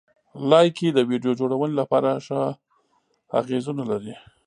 لایکي د ویډیو جوړونې لپاره ښه اغېزونه لري.